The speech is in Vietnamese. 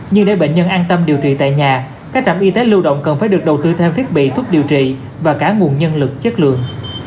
nhưng để bệnh nhân an tâm điều trị tại nhà các trạm y tế lưu động cần phải được đầu tư theo thiết bị thuốc điều trị và cả nguồn nhân lực chất lượng